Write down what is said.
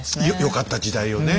よかった時代をね